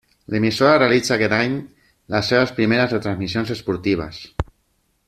L'emissora realitza aquest any les seves primeres retransmissions esportives.